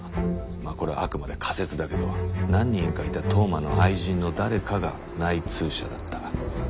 まあこれはあくまで仮説だけど何人かいた当麻の愛人の誰かが内通者だった。